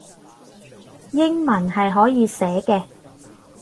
英文係可以寫嘅